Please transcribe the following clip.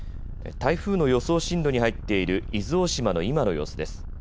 台風の予想進路に入っている伊豆大島の今の様子です。